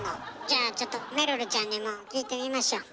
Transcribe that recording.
じゃあちょっとめるるちゃんにも聞いてみましょう。